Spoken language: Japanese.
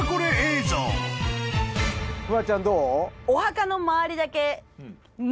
フワちゃんどう？